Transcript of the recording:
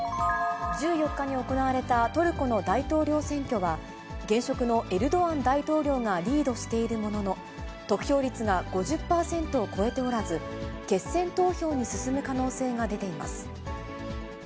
１４日に行われたトルコの大統領選挙は、現職のエルドアン大統領がリードしているものの、得票率が５０％を超えておらず、決選投票に進む可能性が出ています。